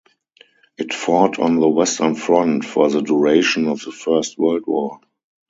It fought on the Western Front for the duration of the First World War.